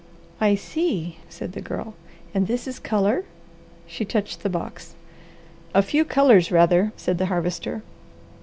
"I see," said the Girl. "And this is colour?" She touched the box. "A few colours, rather," said the Harvester.